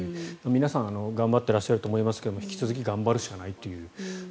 皆さん頑張っていらっしゃると思いますが引き続き頑張るしかないと。